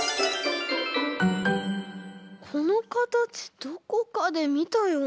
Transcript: このかたちどこかでみたような。